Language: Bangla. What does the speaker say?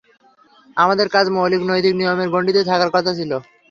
আমাদের কাজ মৌলিক নৈতিক নিয়মের গণ্ডিতে থাকার কথা ছিল।